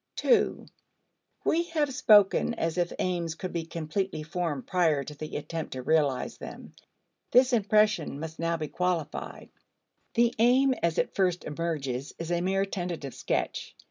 (2) We have spoken as if aims could be completely formed prior to the attempt to realize them. This impression must now be qualified. The aim as it first emerges is a mere tentative sketch.